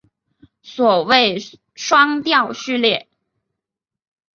所谓双调序列。